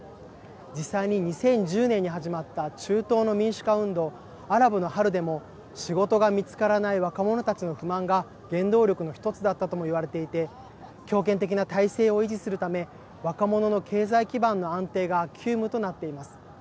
実際に２０１０年に始まった中東の民主化運動アラブの春でも仕事が見つからない若者たちの不満が原動力の一つだったとも言われていて強権的な体制を維持するため若者の経済基盤の安定が急務となっています。